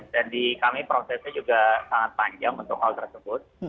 dan di kami prosesnya juga sangat panjang untuk hal tersebut